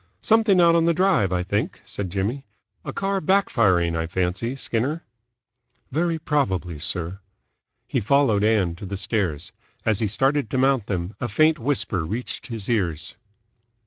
"Something out on the Drive, I think," said Jimmy. "A car back firing, I fancy, Skinner." "Very probably, sir." He followed Ann to the stairs. As he started to mount them, a faint whisper reached his ears.